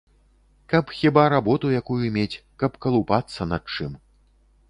Каб хіба работу якую мець, каб калупацца над чым.